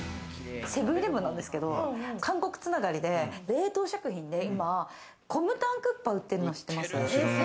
セブンイレブンなんですけど、韓国つながりで冷凍食品でコムタンクッパ売ってるの知ってます？